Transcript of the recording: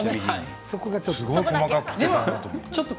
すごい細かく切っていたなと思って。